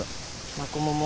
マコモも。